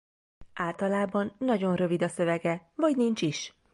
Általában nagyon rövid a szövege vagy nincs is.